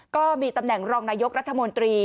ก็มีตำแหน่งรองนายกรัฐมนตรี